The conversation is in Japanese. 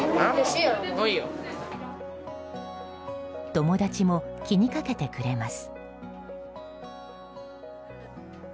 友達も気にかけてくれます。